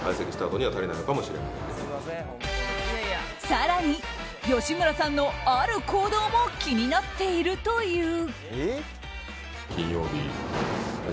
更に、吉村さんのある行動も気になっているという。